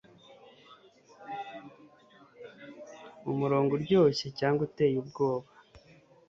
Mu murongo uryoshye cyangwa uteye ubwoba